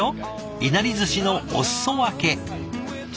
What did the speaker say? いなりずしのおすそ分け。